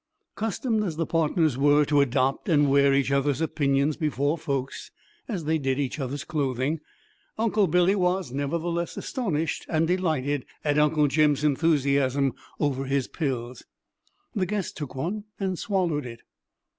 Accustomed as the partners were to adopt and wear each other's opinions before folks, as they did each other's clothing, Uncle Billy was, nevertheless, astonished and delighted at Uncle Jim's enthusiasm over his pills. The guest took one and swallowed it.